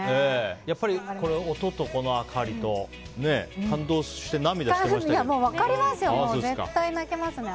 やっぱり音と、この明かりとね感動して涙してましたけど。